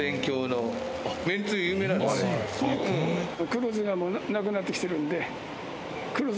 黒酢がなくなってきてるんで。